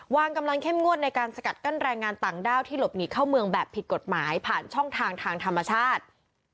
วางกำลังเข้มงวดในการสกัดกั้นแรงงานต่างด้าวที่หลบหนีเข้าเมืองแบบผิดกฎหมายผ่านช่องทางทางธรรมชาติ